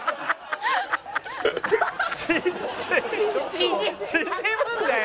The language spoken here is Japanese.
「縮むんだよ！」